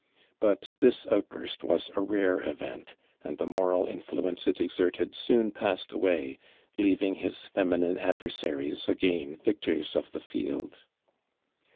But this outburst was a rare event, and the moral influence it exerted soon passed away, leaving his feminine ad versaries again victors of the field.